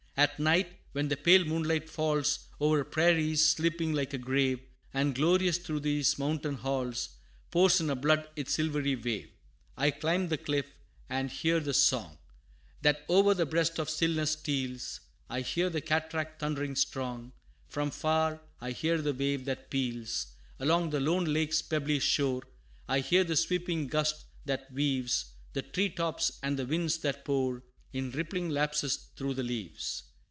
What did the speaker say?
At night, when the pale moonlight falls O'er prairies, sleeping like a grave, And glorious through these mountain halls, Pours in a flood its silvery wave I climb the cliff, and hear the song, That o'er the breast of stillness steals: I hear the cataract thundering strong From far; I hear the wave that peals Along the lone lake's pebbly shore; I hear the sweeping gust that weaves The tree tops, and the winds that pour In rippling lapses through the leaves.